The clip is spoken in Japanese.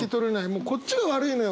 もうこっちが悪いのよ。